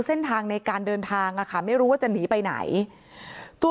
เส้นทางในการเดินทางอ่ะค่ะไม่รู้ว่าจะหนีไปไหนตัว